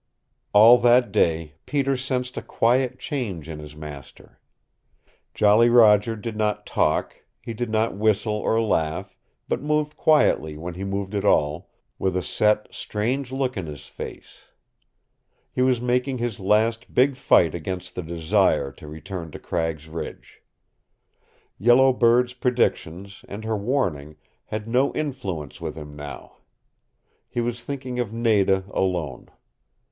All that day Peter sensed a quiet change in his master. Jolly Roger did not talk. He did not whistle or laugh, but moved quietly when he moved at all, with a set, strange look in his face. He was making his last big fight against the desire to return to Cragg's Ridge. Yellow Bird's predictions, and her warning, had no influence with him now. He was thinking of Nada alone.